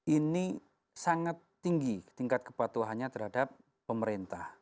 ini sangat tinggi tingkat kepatuhannya terhadap pemerintah